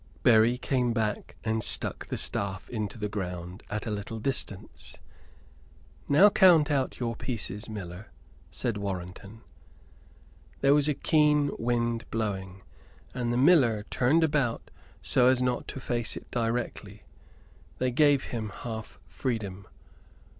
Berry came back and stuck the staff into the ground at a little distance. "Now count out your pieces, miller," said Warrenton. There was a keen wind blowing and the miller turned about so as not to face it directly they gave him half freedom.